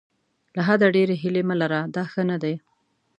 له حده ډېرې هیلې مه لره دا ښه نه ده.